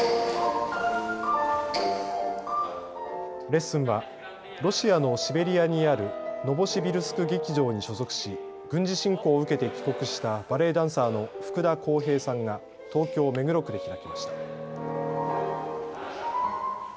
レッスンはロシアのシベリアにあるノボシビルスク劇場に所属し軍事侵攻を受けて帰国したバレエダンサーの福田昂平さんが東京目黒区で開きました。